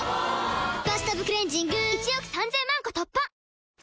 「バスタブクレンジング」１億３０００万個突破！